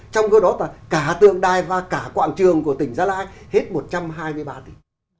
trong cái đó cả tượng đài và cả quạng trường của tỉnh gia lai hết một trăm hai mươi ba tỷ